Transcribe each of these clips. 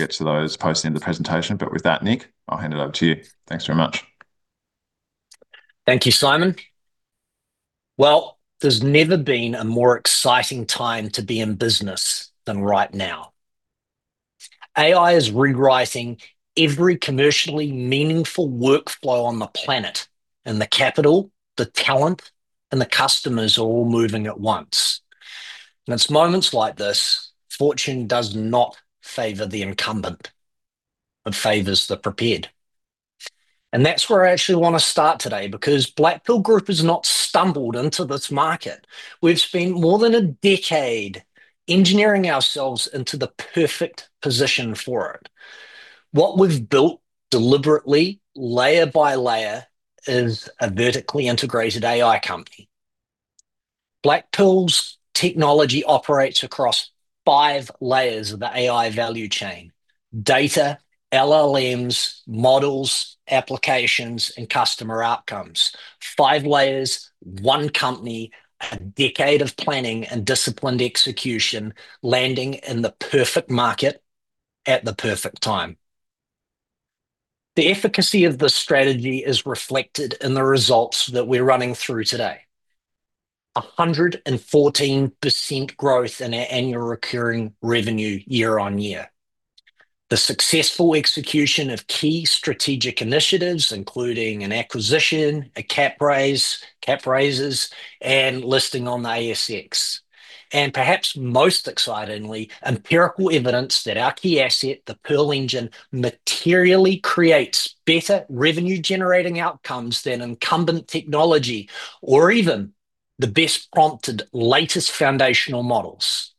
We'll get to those post the end of the presentation. With that, Nick, I'll hand it over to you. Thanks very much. Thank you, Simon. Well, there's never been a more exciting time to be in business than right now. AI is rewriting every commercially meaningful workflow on the planet, and the capital, the talent, and the customers are all moving at once. It's moments like this, fortune does not favor the incumbent. It favors the prepared. That's where I actually want to start today, because Blackpearl Group has not stumbled into this market. We've spent more than a decade engineering ourselves into the perfect position for it. What we've built deliberately, layer by layer, is a vertically integrated AI company. Blackpearl's technology operates across five layers of the AI value chain: data, LLMs, models, applications, and customer outcomes. Five layers, one company, a decade of planning and disciplined execution, landing in the perfect market at the perfect time. The efficacy of this strategy is reflected in the results that we're running through today. 114% growth in our annual recurring revenue year-on-year. The successful execution of key strategic initiatives, including an acquisition, a cap raise, cap raises, and listing on the ASX. Perhaps most excitingly, empirical evidence that our key asset, the Pearl Engine, materially creates better revenue-generating outcomes than incumbent technology, or even the best prompted latest foundational models.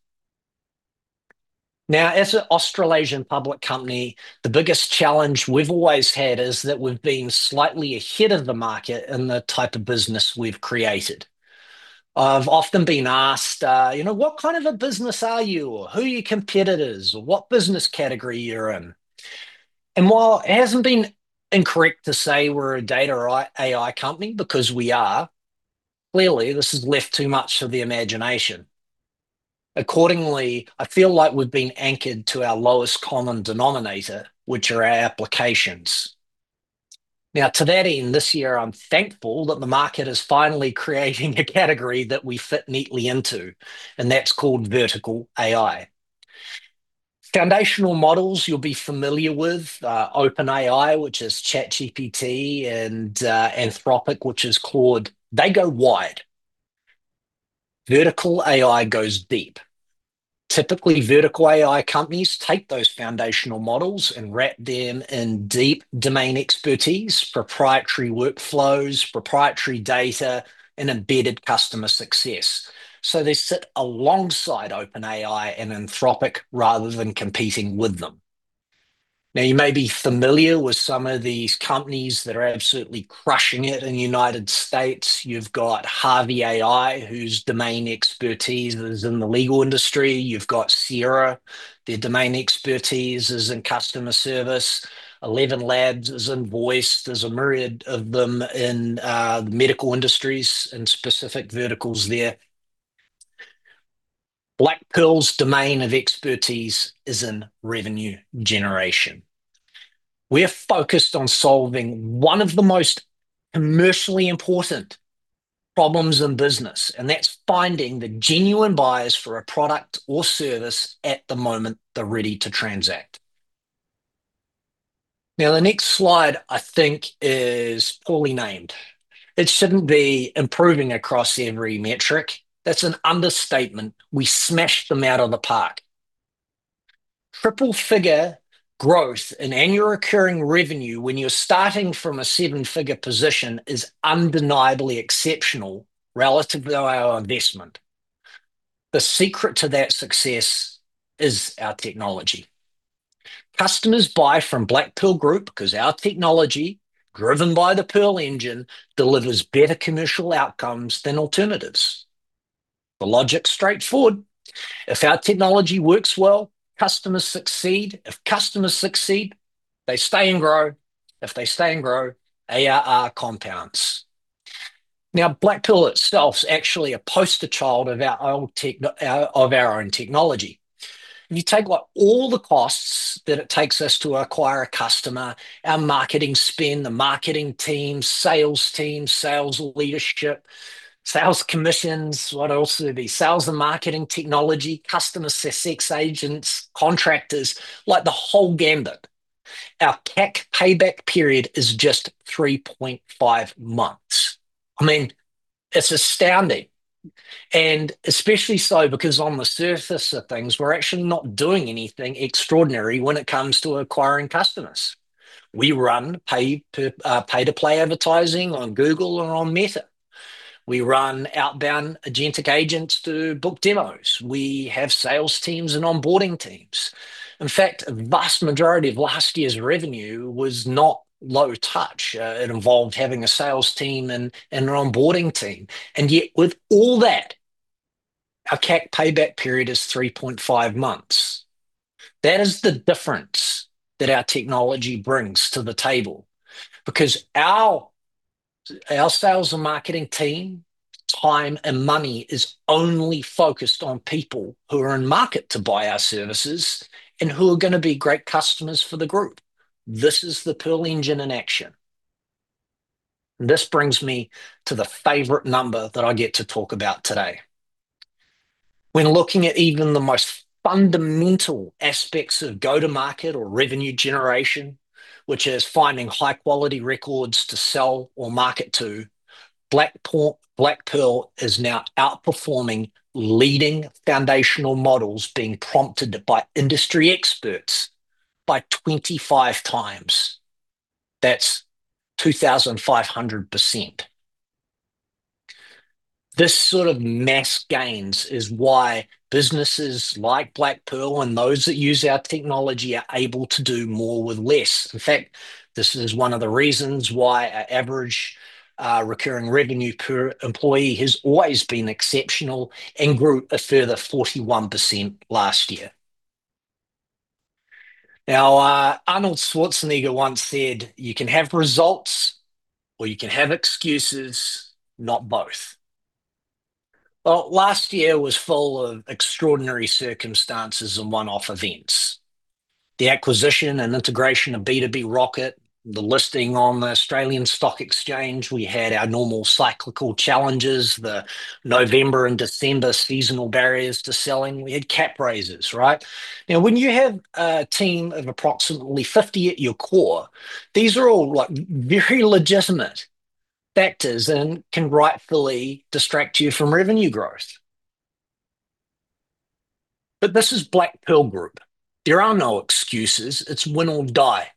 Now, as an Australasian public company, the biggest challenge we've always had is that we've been slightly ahead of the market in the type of business we've created. I've often been asked, what kind of a business are you, or who are your competitors, or what business category you're in. While it hasn't been incorrect to say we're a data or AI company, because we are, clearly, this has left too much to the imagination. Accordingly, I feel like we've been anchored to our lowest common denominator, which are our applications. To that end, this year, I'm thankful that the market is finally creating a category that we fit neatly into, and that's called vertical AI. Foundational models you'll be familiar with, OpenAI, which is ChatGPT, and Anthropic, which is Claude. They go wide. Vertical AI goes deep. Typically, vertical AI companies take those foundational models and wrap them in deep domain expertise, proprietary workflows, proprietary data, and embedded customer success. They sit alongside OpenAI and Anthropic rather than competing with them. You may be familiar with some of these companies that are absolutely crushing it in the United States. You've got Harvey AI, whose domain expertise is in the legal industry. You've got Sierra. Their domain expertise is in customer service. ElevenLabs is in voice. There's a myriad of them in medical industries and specific verticals there. Blackpearl's domain of expertise is in revenue generation. We're focused on solving one of the most commercially important problems in business, and that's finding the genuine buyers for a product or service at the moment they're ready to transact. The next slide, I think, is poorly named. It shouldn't be improving across every metric. That's an understatement. We smashed them out of the park. Triple-figure growth in annual recurring revenue when you're starting from a seven-figure position is undeniably exceptional relative to our investment. The secret to that success is our technology. Customers buy from Blackpearl Group because our technology, driven by the Pearl Engine, delivers better commercial outcomes than alternatives. The logic's straightforward. If our technology works well, customers succeed. If customers succeed, they stay and grow. If they stay and grow, ARR compounds. Blackpearl itself is actually a poster child of our own technology. If you take what all the costs that it takes us to acquire a customer, our marketing spend, the marketing team, sales team, sales leadership, sales commissions, what else would there be? Sales and marketing technology, customer success agents, contractors, like the whole gamut. Our CAC payback period is just 3.5 months. It's astounding, especially so because on the surface of things, we're actually not doing anything extraordinary when it comes to acquiring customers. We run pay to play advertising on Google and on Meta. We run outbound agentic agents to book demos. We have sales teams and onboarding teams. In fact, a vast majority of last year's revenue was not low touch. It involved having a sales team and an onboarding team. Yet with all that, our CAC payback period is 3.5 months. That is the difference that our technology brings to the table. Because our sales and marketing team time and money is only focused on people who are in market to buy our services and who are going to be great customers for the group. This is the Pearl Engine in action. This brings me to the favorite number that I get to talk about today. When looking at even the most fundamental aspects of go-to-market or revenue generation, which is finding high-quality records to sell or market to, Blackpearl is now outperforming leading foundational models being prompted by industry experts by 25x. That's 2,500%. This sort of mass gains is why businesses like Blackpearl and those that use our technology are able to do more with less. In fact, this is one of the reasons why our average recurring revenue per employee has always been exceptional and grew a further 41% last year. Arnold Schwarzenegger once said, you can have results or you can have excuses, not both. Last year was full of extraordinary circumstances and one-off events. The acquisition and integration of B2B Rocket, the listing on the Australian Stock Exchange. We had our normal cyclical challenges, the November and December seasonal barriers to selling. We had cap raises, right? When you have a team of approximately 50 at your core, these are all very legitimate factors and can rightfully distract you from revenue growth. This is Blackpearl Group. There are no excuses. It's win or die.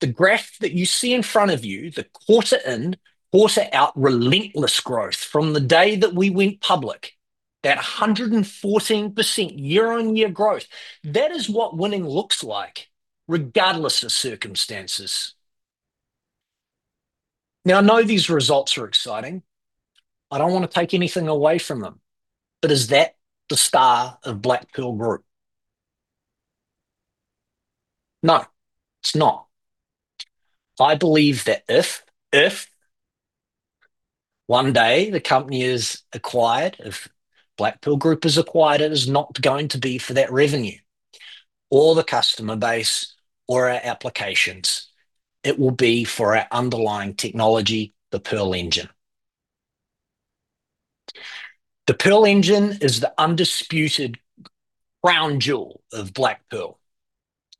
The graph that you see in front of you, the quarter in, quarter out relentless growth from the day that we went public, that 114% year-on-year growth, that is what winning looks like regardless of circumstances. I know these results are exciting. I don't want to take anything away from them, is that the star of Blackpearl Group? No, it's not. I believe that if one day the company is acquired, if Blackpearl Group is acquired, it is not going to be for that revenue or the customer base or our applications. It will be for our underlying technology, the Pearl Engine. The Pearl Engine is the undisputed crown jewel of Blackpearl.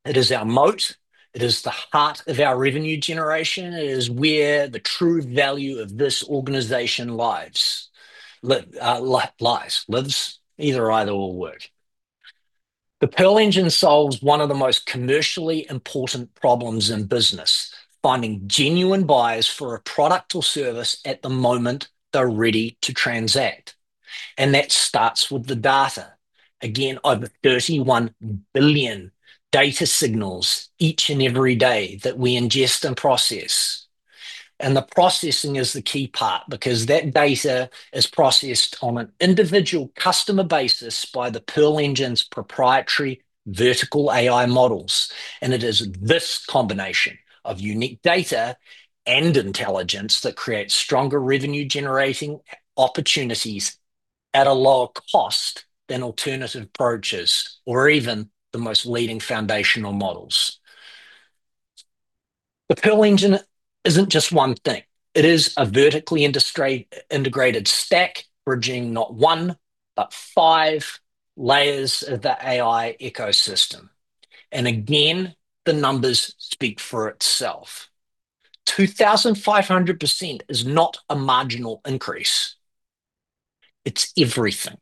It is our moat. It is the heart of our revenue generation. It is where the true value of this organization lives. Lives? Either/or will work. The Pearl Engine solves one of the most commercially important problems in business, finding genuine buyers for a product or service at the moment they're ready to transact, that starts with the data. Again, over 31 billion data signals each and every day that we ingest and process. The processing is the key part because that data is processed on an individual customer basis by the Pearl Engine's proprietary vertical AI models. It is this combination of unique data and intelligence that creates stronger revenue generating opportunities at a lower cost than alternative approaches or even the most leading foundational models. The Pearl Engine isn't just one thing. It is a vertically integrated stack bridging not one, but five layers of the AI ecosystem. Again, the numbers speak for itself. 2,500% is not a marginal increase. It's everything.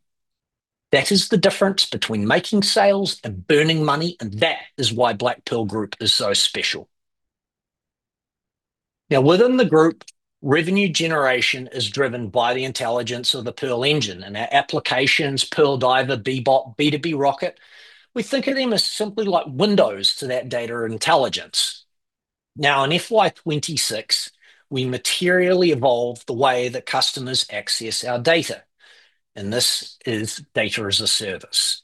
That is the difference between making sales and burning money, and that is why Blackpearl Group is so special. Within the group, revenue generation is driven by the intelligence of the Pearl Engine and our applications, Pearl Diver, Bebop, B2B Rocket, we think of them as simply like windows to that data intelligence. In FY 2026, we materially evolved the way that customers access our data, and this is Data as a Service.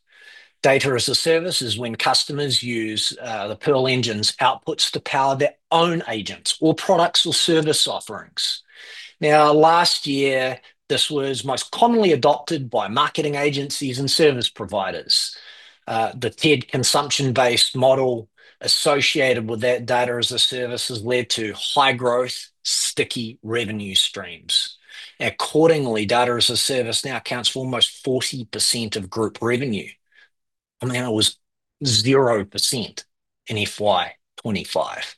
Data as a Service is when customers use the Pearl Engine's outputs to power their own agents or products or service offerings. Last year, this was most commonly adopted by marketing agencies and service providers. The tiered consumption-based model associated with that Data as a Service has led to high growth, sticky revenue streams. Accordingly, Data as a Service now accounts for almost 40% of group revenue, and that was 0% in FY 2025.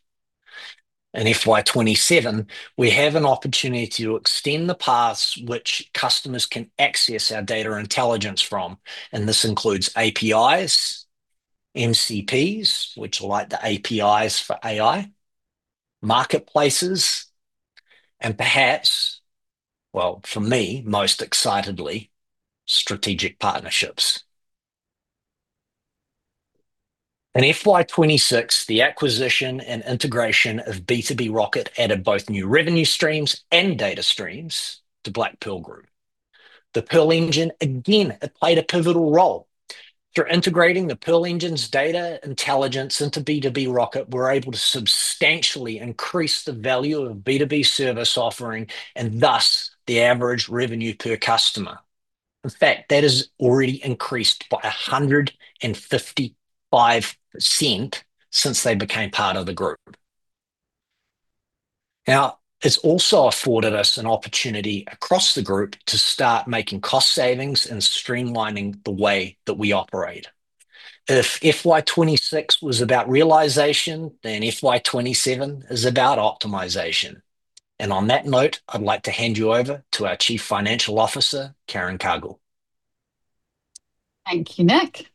In FY 2027, we have an opportunity to extend the paths which customers can access our data intelligence from, and this includes APIs, MCPs, which are like the APIs for AI, marketplaces, and perhaps, well, for me, most excitedly, strategic partnerships. In FY 2026, the acquisition and integration of B2B Rocket added both new revenue streams and data streams to Blackpearl Group. The Pearl Engine, again, it played a pivotal role. Through integrating the Pearl Engine's data intelligence into B2B Rocket, we're able to substantially increase the value of B2B service offering and thus the average revenue per customer. In fact, that has already increased by 155% since they became part of the group. Now, it's also afforded us an opportunity across the group to start making cost savings and streamlining the way that we operate. If FY 2026 was about realization, then FY 2027 is about optimization. On that note, I'd like to hand you over to our Chief Financial Officer, Karen Cargill. Thank you, Nick.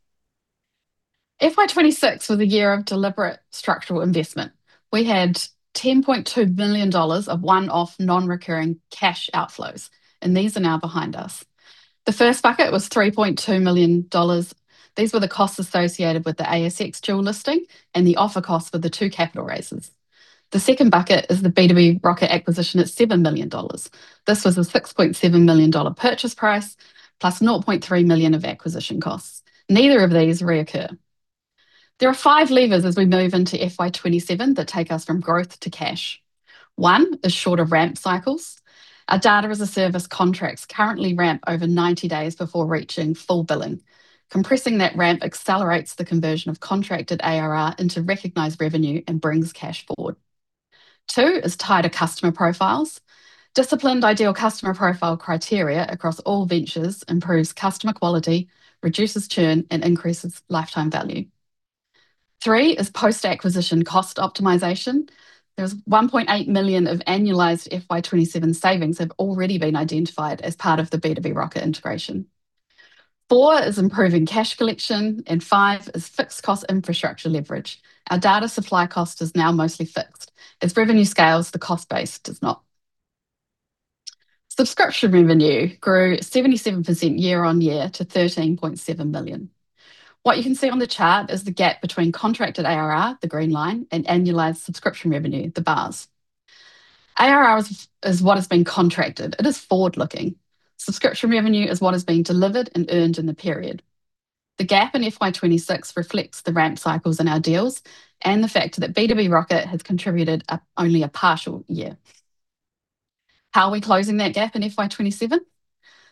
FY 2026 was a year of deliberate structural investment. We had 10.2 million dollars of one-off, non-recurring cash outflows, and these are now behind us. The first bucket was 3.2 million dollars. These were the costs associated with the ASX dual listing and the offer cost for the two capital raises. The second bucket is the B2B Rocket acquisition at 7 million dollars. This was a 6.7 million dollar purchase price, plus 0.3 million of acquisition costs. Neither of these reoccur. There are five levers as we move into FY 2027 that take us from growth to cash. One is shorter ramp cycles. Our Data as a Service contracts currently ramp over 90 days before reaching full billing. Compressing that ramp accelerates the conversion of contracted ARR into recognized revenue and brings cash forward. Two is tighter customer profiles. Disciplined ideal customer profile criteria across all ventures improves customer quality, reduces churn, and increases lifetime value. Three is post-acquisition cost optimization. There's 1.8 million of annualized FY 2027 savings have already been identified as part of the B2B Rocket integration. Four is improving cash collection, and five is fixed cost infrastructure leverage. Our data supply cost is now mostly fixed. As revenue scales, the cost base does not. Subscription revenue grew 77% year-on-year to 13.7 million. What you can see on the chart is the gap between contracted ARR, the green line, and annualized subscription revenue, the bars. ARR is what has been contracted. It is forward-looking. Subscription revenue is what has been delivered and earned in the period. The gap in FY 2026 reflects the ramp cycles in our deals and the fact that B2B Rocket has contributed only a partial year. How are we closing that gap in FY 2027?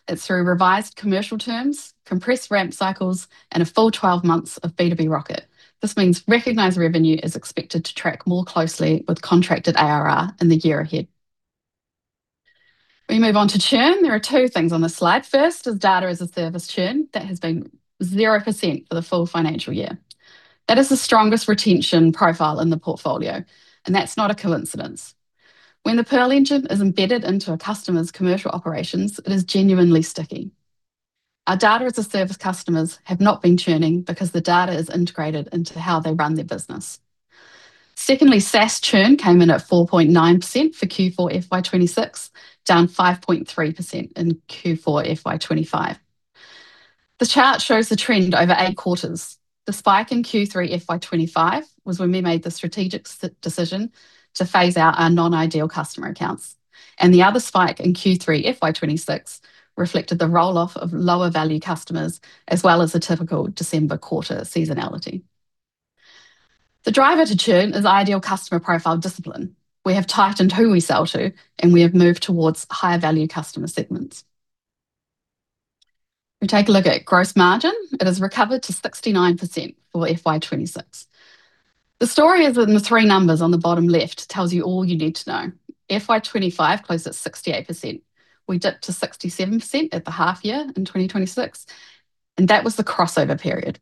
It's through revised commercial terms, compressed ramp cycles, and a full 12 months of B2B Rocket. This means recognized revenue is expected to track more closely with contracted ARR in the year ahead. We move on to churn. There are two things on this slide. First is Data as a Service churn. That has been 0% for the full financial year. That is the strongest retention profile in the portfolio, and that's not a coincidence. When the Pearl Engine is embedded into a customer's commercial operations, it is genuinely sticky. Our Data as a Service customers have not been churning because the data is integrated into how they run their business. Secondly, SaaS churn came in at 4.9% for Q4 FY 2026, down 5.3% in Q4 FY 2025. The chart shows the trend over eight quarters. The spike in Q3 FY 2025 was when we made the strategic decision to phase out our non-ideal customer accounts. The other spike in Q3 FY 2026 reflected the roll-off of lower value customers, as well as the typical December quarter seasonality. The driver to churn is ideal customer profile discipline. We have tightened who we sell to, and we have moved towards higher value customer segments. We take a look at gross margin. It has recovered to 69% for FY 2026. The story in the three numbers on the bottom left tells you all you need to know. FY 2025 closed at 68%. We dipped to 67% at the half year in 2026, and that was the crossover period,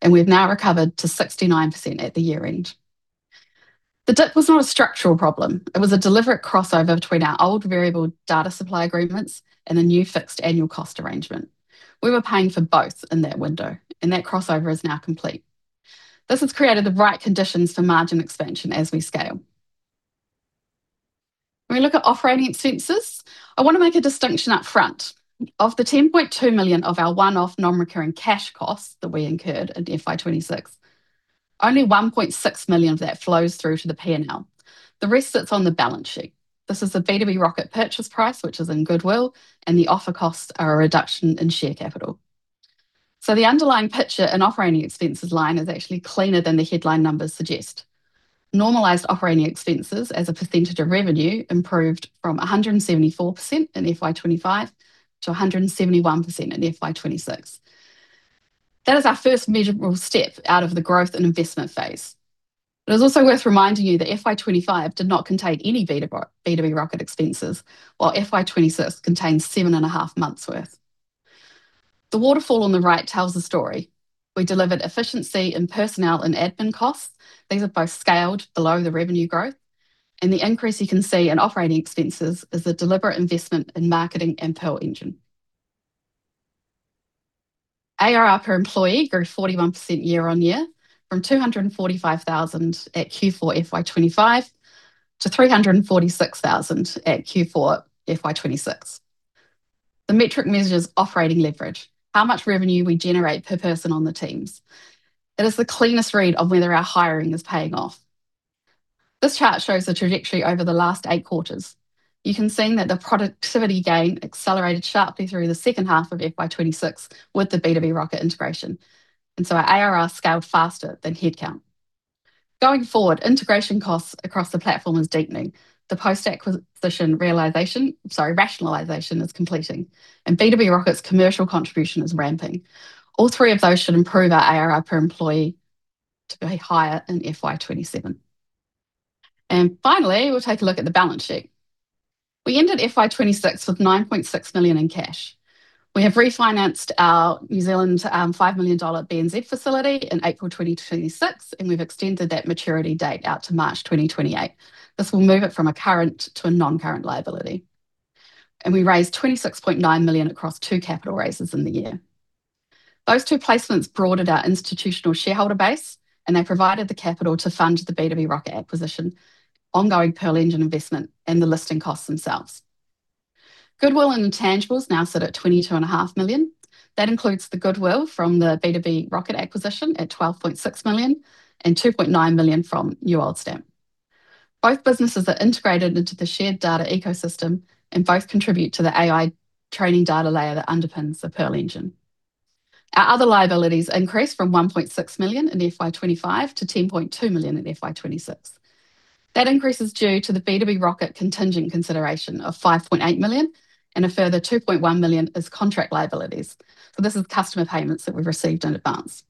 and we've now recovered to 69% at the year-end. The dip was not a structural problem. It was a deliberate crossover between our old variable data supply agreements and the new fixed annual cost arrangement. We were paying for both in that window, and that crossover is now complete. This has created the right conditions for margin expansion as we scale. When we look at operating expenses, I want to make a distinction up front. Of the 10.2 million of our one-off non-recurring cash costs that we incurred in FY 2026, only 1.6 million of that flows through to the P&L. The rest sits on the balance sheet. This is the B2B Rocket purchase price, which is in goodwill, and the offer costs are a reduction in share capital. The underlying picture and operating expenses line is actually cleaner than the headline numbers suggest. Normalized operating expenses as a percentage of revenue improved from 174% in FY 2025 to 171% in FY 2026. That is our first measurable step out of the growth and investment phase. It is also worth reminding you that FY 2025 did not contain any B2B Rocket expenses, while FY 2026 contained seven and a half months' worth. The waterfall on the right tells a story. We delivered efficiency in personnel and admin costs. These are both scaled below the revenue growth. The increase you can see in operating expenses is a deliberate investment in marketing and Pearl Engine. ARR per employee grew 41% year-on-year from 245,000 at Q4 FY 2025 to 346,000 at Q4 FY 2026. The metric measures operating leverage, how much revenue we generate per person on the teams. It is the cleanest read of whether our hiring is paying off. This chart shows the trajectory over the last eight quarters. You can see that the productivity gain accelerated sharply through the second half of FY 2026 with the B2B Rocket integration, and so our ARR scaled faster than head count. Going forward, integration costs across the platform is deepening. The post-acquisition realization, sorry, rationalization is completing, and B2B Rocket's commercial contribution is ramping. All three of those should improve our ARR per employee to be higher in FY 2027. Finally, we'll take a look at the balance sheet. We ended FY 2026 with 9.6 million in cash. We have refinanced our 5 million New Zealand dollars BNZ facility in April 2026, and we've extended that maturity date out to March 2028. This will move it from a current to a non-current liability. We raised 26.9 million across two capital raises in the year. Those two placements broadened our institutional shareholder base, and they provided the capital to fund the B2B Rocket acquisition, ongoing Pearl Engine investment, and the listing costs themselves. Goodwill and intangibles now sit at 22.5 million. That includes the goodwill from the B2B Rocket acquisition at 12.6 million, and 2.9 million from Newoldstamp. Both businesses are integrated into the shared data ecosystem and both contribute to the AI training data layer that underpins the Pearl Engine. Our other liabilities increased from 1.6 million in FY 2025 to 10.2 million in FY 2026. That increase is due to the B2B Rocket contingent consideration of 5.8 million, and a further 2.1 million is contract liabilities. This is customer payments that we've received in advance.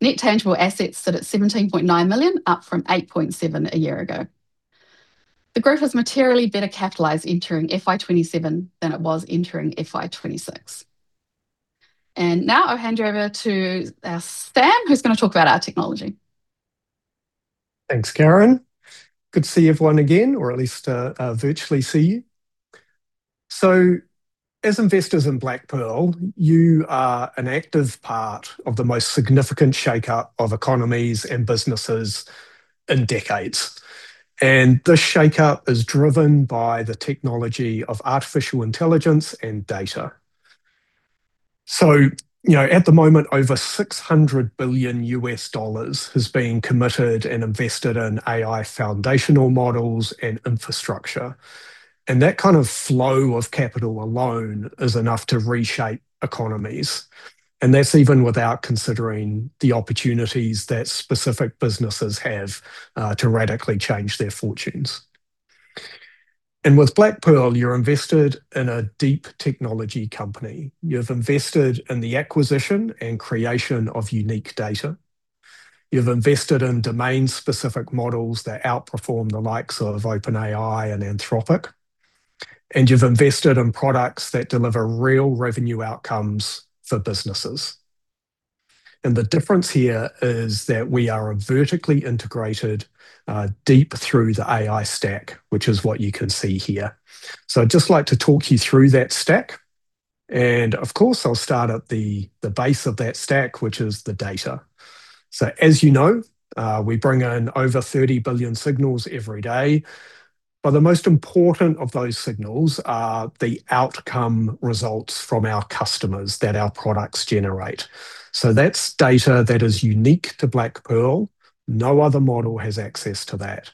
Net tangible assets sit at 17.9 million, up from 8.7 million a year ago. The growth was materially better capitalized entering FY 2027 than it was entering FY 2026. Now I'll hand you over to Sam, who's going to talk about our technology. Thanks, Karen. Good to see everyone again, or at least, virtually see you. As investors in Blackpearl, you are an active part of the most significant shakeup of economies and businesses in decades. This shakeup is driven by the technology of artificial intelligence and data. At the moment, over $600 billion has been committed and invested in AI foundational models and infrastructure, and that kind of flow of capital alone is enough to reshape economies. That's even without considering the opportunities that specific businesses have to radically change their fortunes. With Blackpearl, you're invested in a deep technology company. You've invested in the acquisition and creation of unique data. You've invested in domain-specific models that outperform the likes of OpenAI and Anthropic, and you've invested in products that deliver real revenue outcomes for businesses. The difference here is that we are vertically integrated, deep through the AI stack, which is what you can see here. I'd just like to talk you through that stack. Of course, I'll start at the base of that stack, which is the data. As you know, we bring in over 30 billion signals every day. The most important of those signals are the outcome results from our customers that our products generate. That's data that is unique to Blackpearl. No other model has access to that.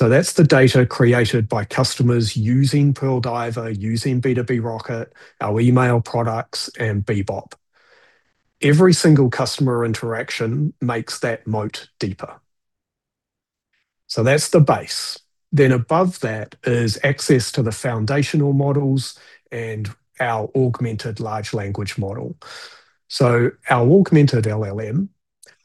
That's the data created by customers using Pearl Diver, using B2B Rocket, our email products, and Bebop. Every single customer interaction makes that moat deeper. That's the base. Above that is access to the foundational models and our augmented large language model. Our augmented LLM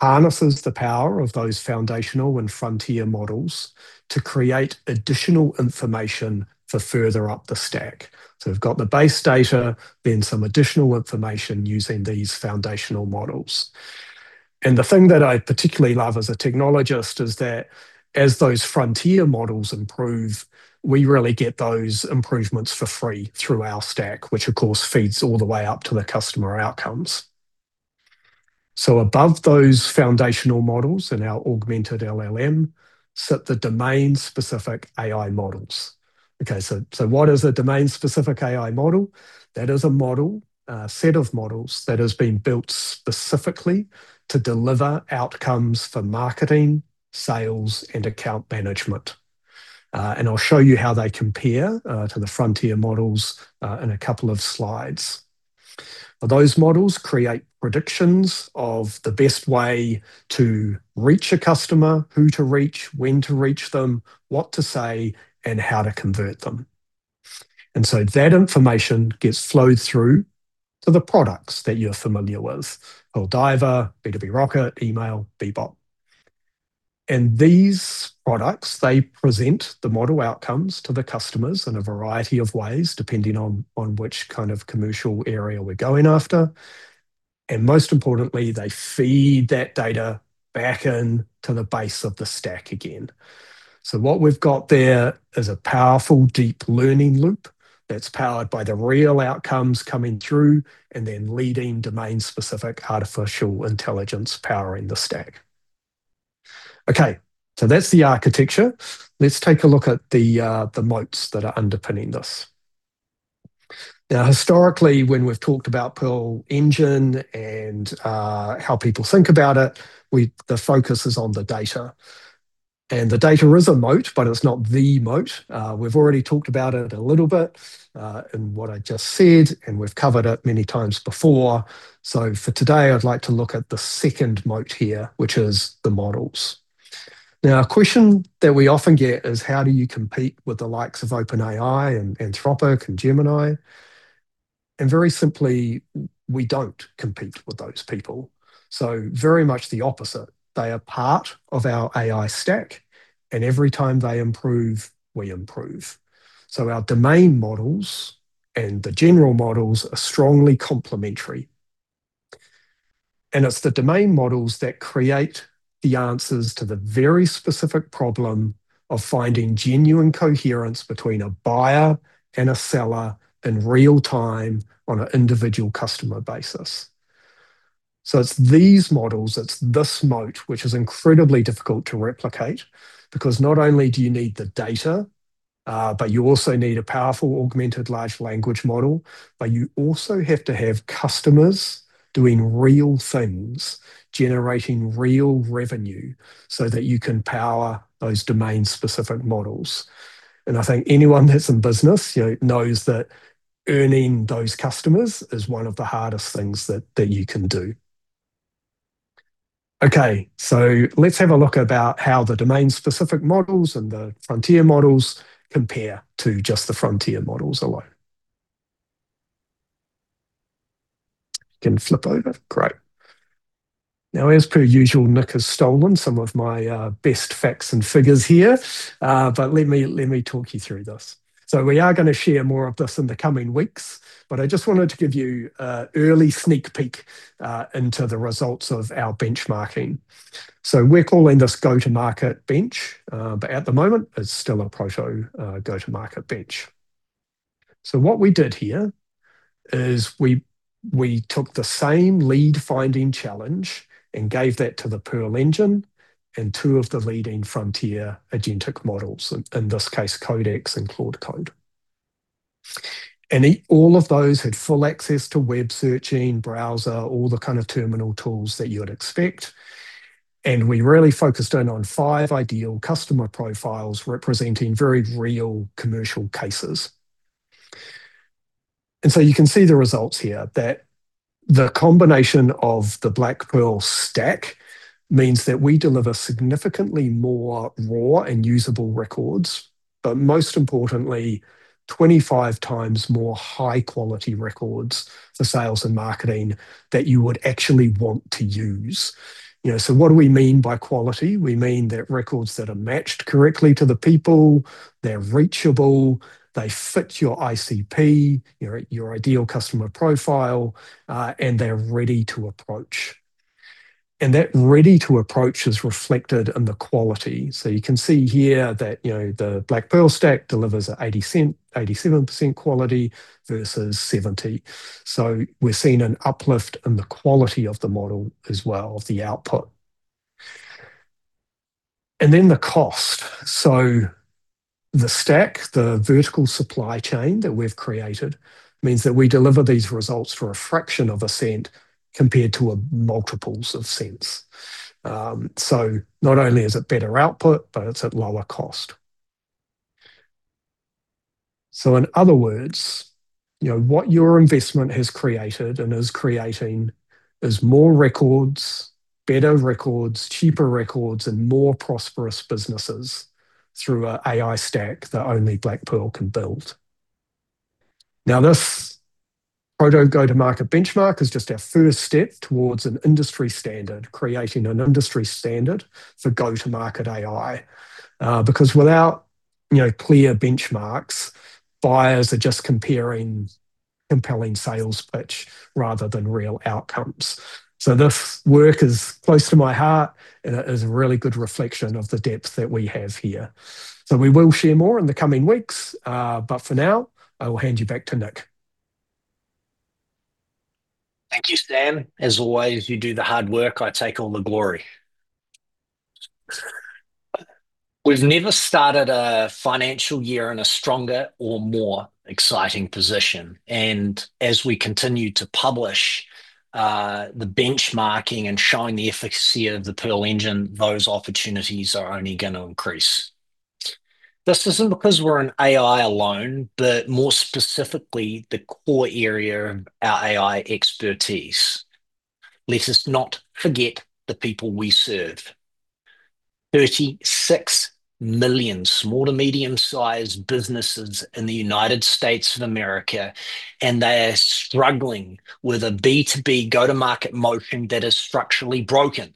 harnesses the power of those foundational and frontier models to create additional information for further up the stack. We've got the base data, then some additional information using these foundational models. The thing that I particularly love as a technologist is that as those frontier models improve, we really get those improvements for free through our stack, which of course, feeds all the way up to the customer outcomes. Above those foundational models in our augmented LLM sit the domain-specific AI models. Okay, what is a domain-specific AI model? That is a model, a set of models, that has been built specifically to deliver outcomes for marketing, sales, and account management. I'll show you how they compare to the frontier models in a couple of slides. Those models create predictions of the best way to reach a customer, who to reach, when to reach them, what to say, and how to convert them. That information gets flowed through to the products that you're familiar with, Pearl Diver, B2B Rocket, email, Bebop. These products, they present the model outcomes to the customers in a variety of ways, depending on which kind of commercial area we're going after. Most importantly, they feed that data back in to the base of the stack again. What we've got there is a powerful deep learning loop that's powered by the real outcomes coming through and then leading domain-specific artificial intelligence powering the stack. Okay, that's the architecture. Let's take a look at the moats that are underpinning this. Historically, when we've talked about Pearl Engine and how people think about it, the focus is on the data. The data is a moat, but it's not the moat. We've already talked about it a little bit in what I just said. We've covered it many times before. For today, I'd like to look at the second moat here, which is the models. A question that we often get is, how do you compete with the likes of OpenAI, and Anthropic, and Gemini? Very simply, we don't compete with those people. Very much the opposite. They are part of our AI stack. Every time they improve, we improve. Our domain models and the general models are strongly complementary, and it's the domain models that create the answers to the very specific problem of finding genuine coherence between a buyer and a seller in real time on an individual customer basis. It's these models, it's this moat, which is incredibly difficult to replicate because not only do you need the data, but you also need a powerful, augmented large language model. You also have to have customers doing real things, generating real revenue, so that you can power those domain-specific models. I think anyone that's in business knows that earning those customers is one of the hardest things that you can do. Let's have a look about how the domain-specific models and the frontier models compare to just the frontier models alone. You can flip over. Great. As per usual, Nick has stolen some of my best facts and figures here. Let me talk you through this. We are going to share more of this in the coming weeks, but I just wanted to give you an early sneak peek into the results of our benchmarking. We're calling this go-to-market bench, but at the moment, it's still a proto go-to-market bench. What we did here is we took the same lead finding challenge and gave that to the Pearl Engine and two of the leading frontier agentic models, in this case, Codex and Claude Code. All of those had full access to web searching, browser, all the kind of terminal tools that you would expect. We really focused in on five ideal customer profiles representing very real commercial cases. You can see the results here that the combination of the Blackpearl stack means that we deliver significantly more raw and usable records, but most importantly, 25x more high-quality records for sales and marketing that you would actually want to use. What do we mean by quality? We mean that records that are matched correctly to the people, they're reachable, they fit your ICP, your ideal customer profile, and they're ready to approach. That ready to approach is reflected in the quality. You can see here that the Blackpearl stack delivers at 87% quality versus 70%. We're seeing an uplift in the quality of the model as well, of the output. Then the cost. The stack, the vertical supply chain that we've created, means that we deliver these results for a fraction of a cent compared to multiples of cents. Not only is it better output, but it's at lower cost. In other words, what your investment has created and is creating is more records, better records, cheaper records, and more prosperous businesses through an AI stack that only Blackpearl can build. This proto go-to-market benchmark is just our first step towards an industry standard, creating an industry standard for go-to-market AI. Without clear benchmarks, buyers are just comparing compelling sales pitch rather than real outcomes. This work is close to my heart, and it is a really good reflection of the depth that we have here. We will share more in the coming weeks, but for now, I will hand you back to Nick. Thank you, Sam. As always, you do the hard work, I take all the glory. We've never started a financial year in a stronger or more exciting position, and as we continue to publish the benchmarking and showing the efficacy of the Pearl Engine, those opportunities are only going to increase. This isn't because we're in AI alone, but more specifically, the core area of our AI expertise. Let us not forget the people we serve. 36 million small to medium-sized businesses in the United States of America, and they are struggling with a B2B go-to-market motion that is structurally broken.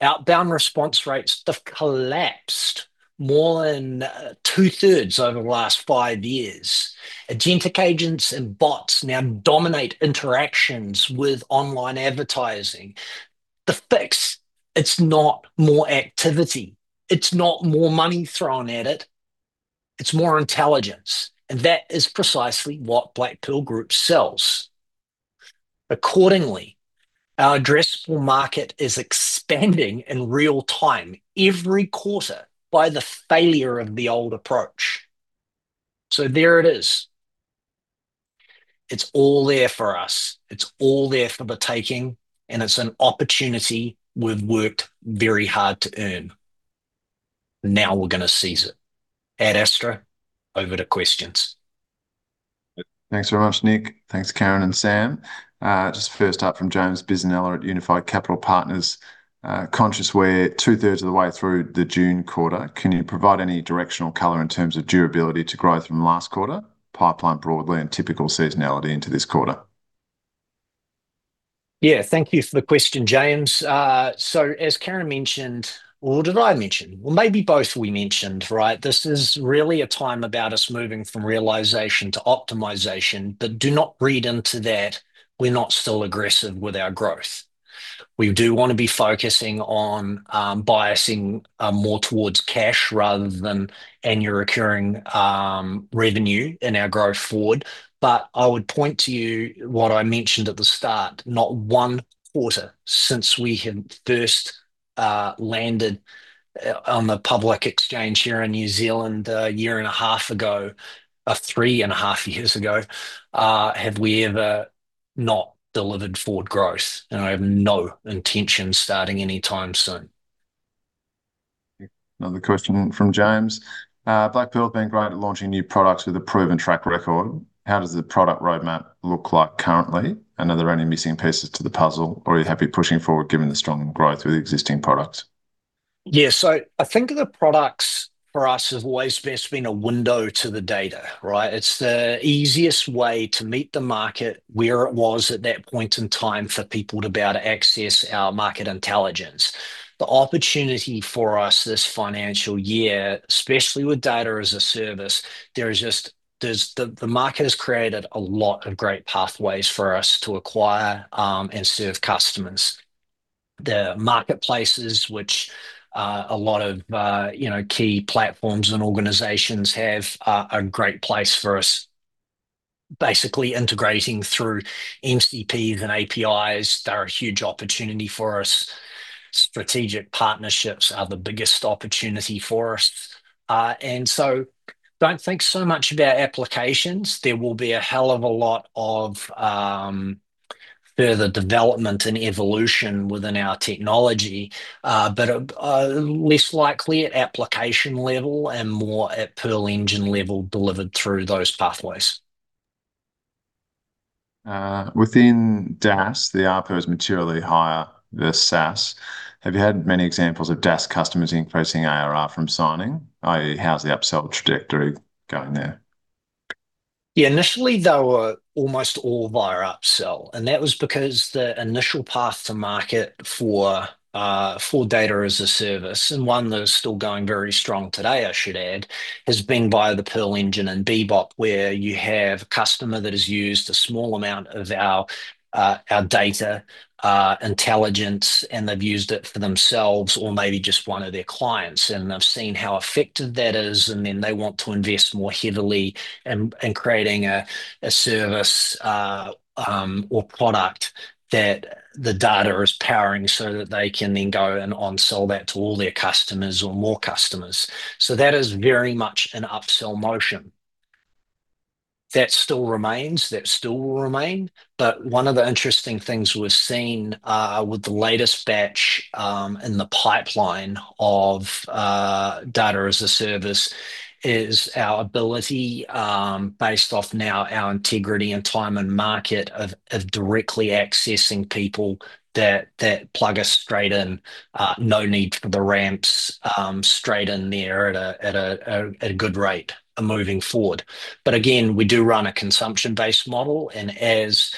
Outbound response rates have collapsed more than 2/3 over the last five years. Agentic agents and bots now dominate interactions with online advertising. The fix, it's not more activity. It's not more money thrown at it. It's more intelligence, and that is precisely what Blackpearl Group sells. Accordingly, our addressable market is expanding in real time every quarter by the failure of the old approach. There it is. It's all there for us, it's all there for the taking, and it's an opportunity we've worked very hard to earn. Now we're going to seize it. Ad astra. Over to questions. Thanks very much, Nick. Thanks, Karen and Sam. Just first up from James Bisinella at Unified Capital Partners. Conscious we're 2/3 of the way through the June quarter, can you provide any directional color in terms of durability to growth from last quarter, pipeline broadly, and typical seasonality into this quarter? Yeah. Thank you for the question, James. As Karen mentioned, or did I mention? Well, maybe both we mentioned, right? This is really a time about us moving from realization to optimization. Do not read into that we're not still aggressive with our growth. We do want to be focusing on biasing more towards cash rather than annual recurring revenue in our growth forward. I would point to you what I mentioned at the start, not one quarter since we have first landed on the public exchange here in New Zealand 1.5 years ago, or 3.5 years ago, have we ever not delivered forward growth, and I have no intention starting any time soon. Another question from James. Blackpearl have been great at launching new products with a proven track record. How does the product roadmap look like currently? Are there any missing pieces to the puzzle, or are you happy pushing forward given the strong growth with existing products? Yeah. I think the products for us have always best been a window to the data, right? It's the easiest way to meet the market where it was at that point in time for people to be able to access our market intelligence. The opportunity for us this financial year, especially with Data as a Service, the market has created a lot of great pathways for us to acquire and serve customers. The marketplaces, which a lot of key platforms and organizations have, are a great place for us. Basically integrating through MCPs and APIs, they're a huge opportunity for us. Strategic partnerships are the biggest opportunity for us. Don't think so much about applications. There will be a hell of a lot of further development and evolution within our technology. Less likely at application level and more at Pearl Engine level delivered through those pathways. Within DaaS, the ARPU is materially higher than SaaS. Have you had many examples of DaaS customers increasing ARR from signing, i.e., how's the upsell trajectory going there? Yeah, initially they were almost all via upsell. That was because the initial path to market for Data as a Service, and one that is still going very strong today, I should add, has been via the Pearl Engine and Bebop, where you have a customer that has used a small amount of our data intelligence. They've used it for themselves or maybe just one of their clients. They've seen how effective that is. Then they want to invest more heavily in creating a service or product that the data is powering so that they can then go and onsell that to all their customers or more customers. That is very much an upsell motion. That still remains, that still will remain. One of the interesting things we're seeing, with the latest batch, in the pipeline of Data as a Service is our ability, based off now our integrity and time in market of directly accessing people that plug us straight in, no need for the ramps, straight in there at a good rate moving forward. Again, we do run a consumption-based model, and as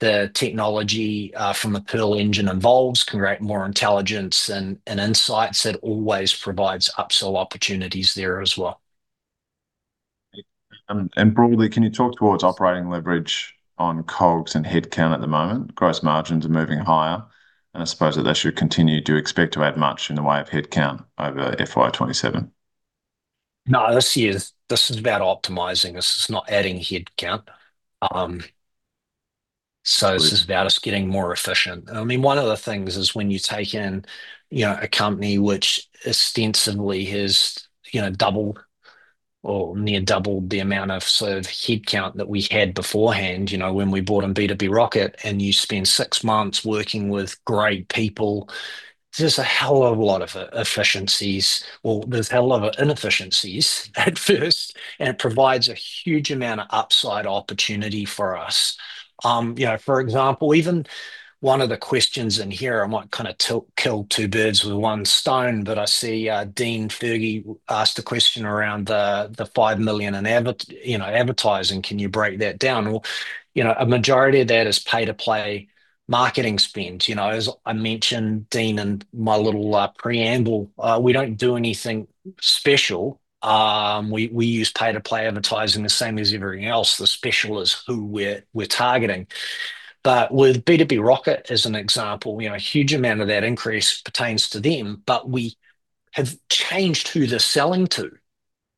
the technology from the Pearl Engine evolves, can create more intelligence and insights, it always provides upsell opportunities there as well. Broadly, can you talk towards operating leverage on COGS and headcount at the moment? Gross margins are moving higher, and I suppose that they should continue. Do you expect to add much in the way of headcount over FY 2027? No, this is about optimizing. This is not adding headcount. This is about us getting more efficient. One of the things is when you take in a company which ostensibly has doubled or near doubled the amount of sort of headcount that we had beforehand, when we bought in B2B Rocket and you spend six months working with great people, there's a hell of a lot of efficiencies. There's a hell of a lot of inefficiencies at first, and it provides a huge amount of upside opportunity for us. For example, even one of the questions in here, I might kind of kill two birds with one stone, but I see Dean Fergie asked a question around the 5 million in advertising, can you break that down? A majority of that is pay-to-play marketing spend. As I mentioned, Dean, in my little preamble, we don't do anything special. We use pay-to-play advertising the same as everything else. The special is who we're targeting. With B2B Rocket as an example, a huge amount of that increase pertains to them. We have changed who they're selling to.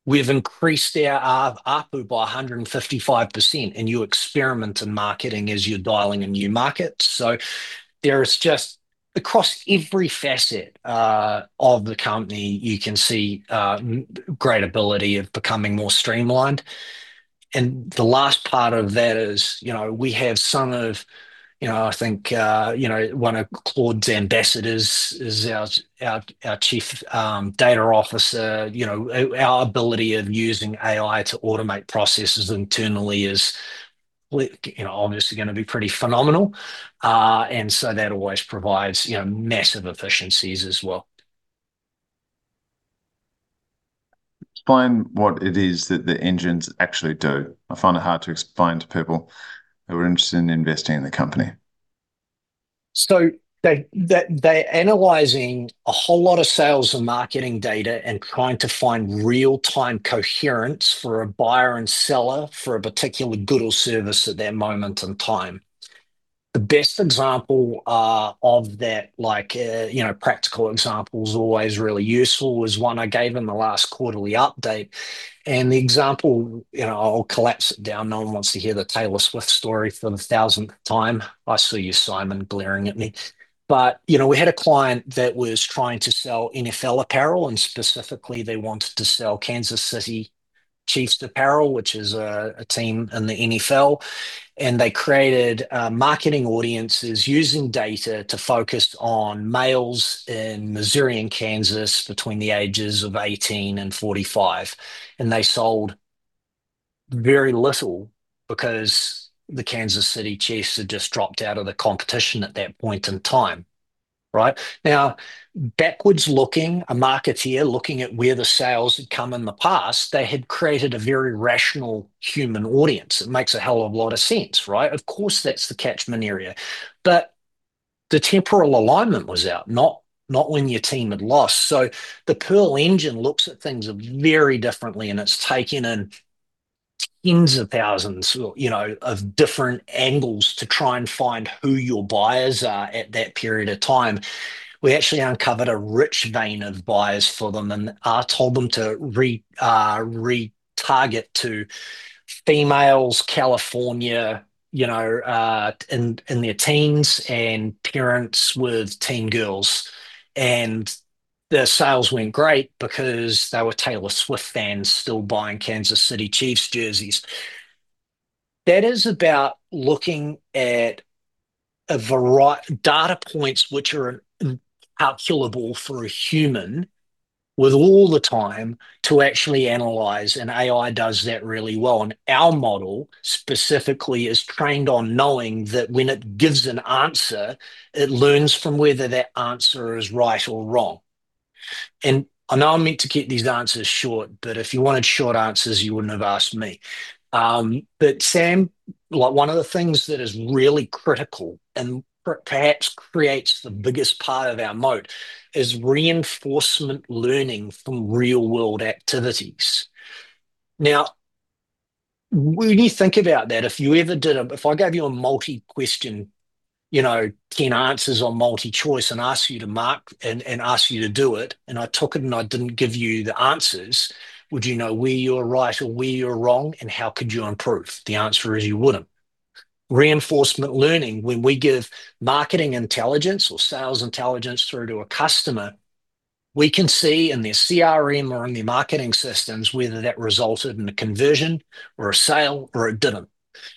We've increased our ARPU by 155%, and you experiment in marketing as you're dialing in new markets. There is just across every facet of the company, you can see great ability of becoming more streamlined. The last part of that is we have some of, I think, one of Claude's ambassadors is our Chief Data Officer. Our ability of using AI to automate processes internally is obviously going to be pretty phenomenal. That always provides massive efficiencies as well. Explain what it is that the engines actually do. I find it hard to explain to people who are interested in investing in the company. They're analyzing a whole lot of sales and marketing data and trying to find real-time coherence for a buyer and seller for a particular good or service at that moment in time. The best example of that, practical example is always really useful, was one I gave in the last quarterly update. The example, I'll collapse it down. No one wants to hear the Taylor Swift story for the thousandth time. I saw you, Simon, glaring at me. We had a client that was trying to sell NFL apparel, and specifically, they wanted to sell Kansas City Chiefs apparel, which is a team in the NFL. They created marketing audiences using data to focus on males in Missouri and Kansas between the ages of 18 and 45. They sold very little because the Kansas City Chiefs had just dropped out of the competition at that point in time. Right. Backwards looking, a marketeer looking at where the sales had come in the past, they had created a very rational human audience. It makes a hell of a lot of sense, right. Of course, that's the catchment area. The temporal alignment was out, not when your team had lost. The Pearl Engine looks at things very differently, and it's taking in tens of thousands of different angles to try and find who your buyers are at that period of time. We actually uncovered a rich vein of buyers for them and told them to retarget to females, California, in their teens and parents with teen girls. The sales went great because they were Taylor Swift fans still buying Kansas City Chiefs jerseys. That is about looking at data points which are incalculable for a human with all the time to actually analyze, and AI does that really well. Our model specifically is trained on knowing that when it gives an answer, it learns from whether that answer is right or wrong. I know I'm meant to keep these answers short, but if you wanted short answers, you wouldn't have asked me. Sam, one of the things that is really critical and perhaps creates the biggest part of our moat is reinforcement learning from real-world activities. Now, when you think about that, if I gave you a multi-question, 10 answers on multi-choice and asked you to do it, and I took it and I didn't give you the answers, would you know where you're right or where you're wrong, and how could you improve? The answer is you wouldn't. Reinforcement learning, when we give marketing intelligence or sales intelligence through to a customer, we can see in their CRM or in their marketing systems whether that resulted in a conversion or a sale, or it didn't.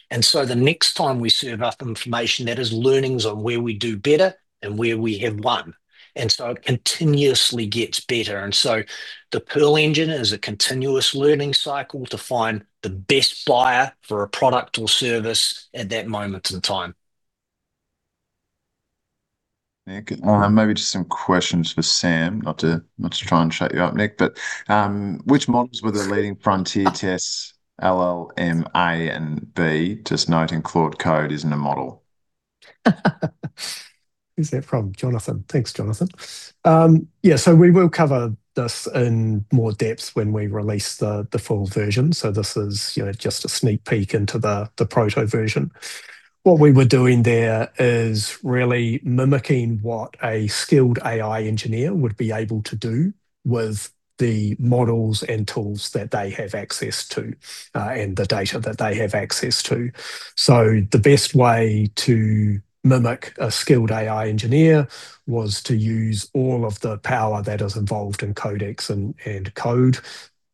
The next time we serve up information, that is learnings on where we do better and where we have won. It continuously gets better. The Pearl Engine is a continuous learning cycle to find the best buyer for a product or service at that moment in time. Nick, maybe just some questions for Sam. Not to try and shake you up, Nick. Which models were the leading frontier tests, LLM A and B? Just noting Claude Code isn't a model. Who's that from? Jonathan. Thanks, Jonathan. Yeah, we will cover this in more depth when we release the full version. This is just a sneak peek into the proto version. What we were doing there is really mimicking what a skilled AI engineer would be able to do with the models and tools that they have access to, and the data that they have access to. The best way to mimic a skilled AI engineer was to use all of the power that is involved in Codex and Code,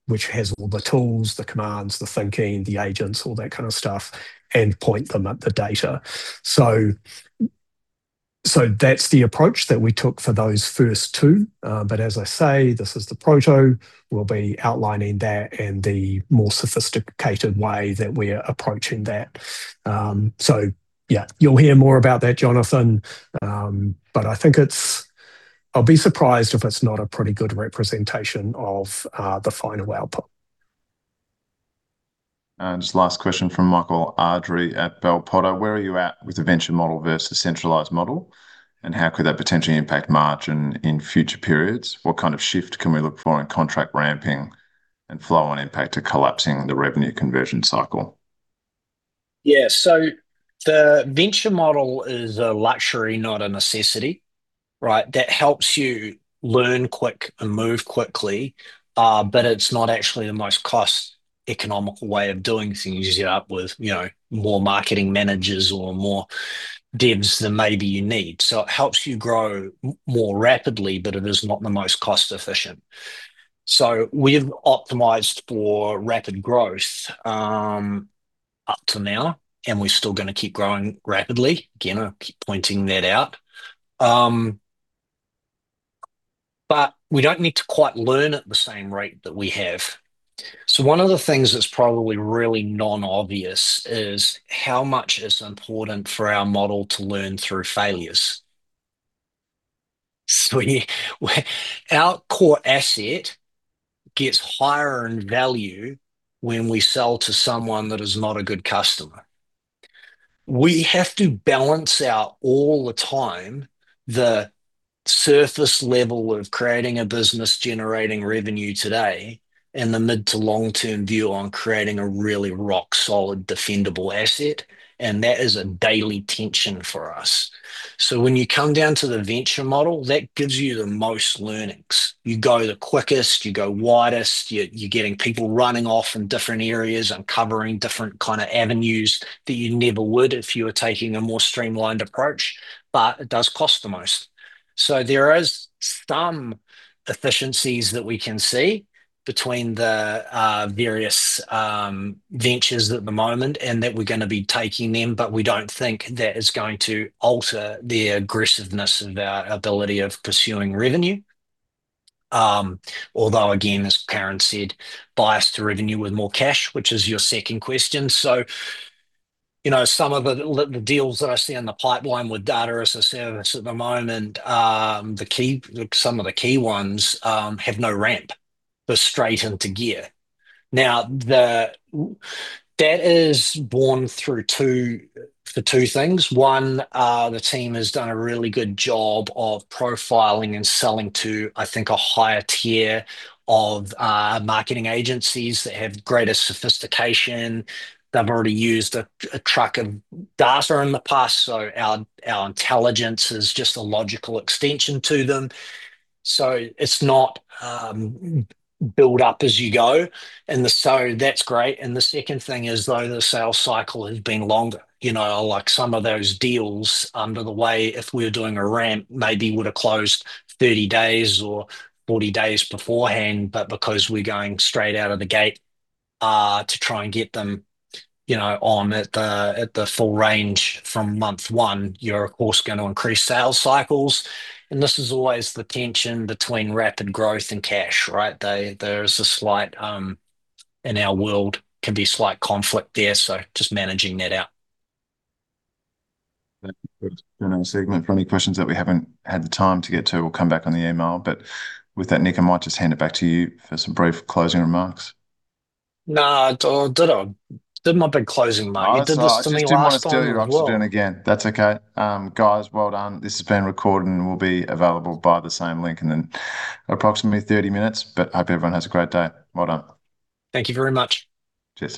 which has all the tools, the commands, the thinking, the agents, all that kind of stuff, and point them at the data. That's the approach that we took for those first two. As I say, this is the proto. We'll be outlining that and the more sophisticated way that we're approaching that. Yeah, you'll hear more about that, Jonathan. I'll be surprised if it's not a pretty good representation of the final output. Just last question from Michael Ardrey at Bell Potter. Where are you at with the venture model versus centralized model, and how could that potentially impact margin in future periods? What kind of shift can we look for in contract ramping and flow on impact to collapsing the revenue conversion cycle? Yeah. The venture model is a luxury, not a necessity, right? That helps you learn quick and move quickly, but it's not actually the most cost-economical way of doing things. You end up with more marketing managers or more devs than maybe you need. It helps you grow more rapidly, but it is not the most cost-efficient. We've optimized for rapid growth up to now, and we're still going to keep growing rapidly. Again, I keep pointing that out. We don't need to quite learn at the same rate that we have. One of the things that's probably really non-obvious is how much it's important for our model to learn through failures. Our core asset gets higher in value when we sell to someone that is not a good customer. We have to balance out all the time the surface level of creating a business generating revenue today and the mid to long-term view on creating a really rock-solid defendable asset, and that is a daily tension for us. When you come down to the venture model, that gives you the most learnings. You go the quickest, you go widest. You're getting people running off in different areas and covering different avenues that you never would if you were taking a more streamlined approach, but it does cost the most. There is some efficiencies that we can see between the various ventures at the moment, and that we're going to be taking them, but we don't think that is going to alter the aggressiveness of our ability of pursuing revenue. Although, again, as Karen said, biased to revenue with more cash, which is your second question. Some of the deals that I see in the pipeline with Data as a Service at the moment, some of the key ones have no ramp. They're straight into gear. That is borne for two things. One, the team has done a really good job of profiling and selling to, I think, a higher tier of marketing agencies that have greater sophistication. They've already used a truck of data in the past, so our intelligence is just a logical extension to them. It's not build up as you go. That's great. The second thing is, though, the sales cycle has been longer. Like some of those deals under the way, if we were doing a ramp, maybe would've closed 30 days or 40 days beforehand, because we're going straight out of the gate to try and get them on at the full range from month one, you're, of course, going to increase sales cycles, and this is always the tension between rapid growth and cash, right? In our world, can be slight conflict there. Just managing that out. That concludes our segment. For any questions that we haven't had the time to get to, we'll come back on the email. With that, Nick, I might just hand it back to you for some brief closing remarks. No. Did my big closing mark. You did this to me last time as well. No. I just didn't want to steal your oxygen again. That's okay. Guys, well done. This has been recorded and will be available by the same link in approximately 30 minutes. Hope everyone has a great day. Well done. Thank you very much. Cheers.